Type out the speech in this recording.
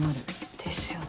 ですよね。